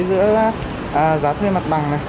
giữa giá thuê mặt bằng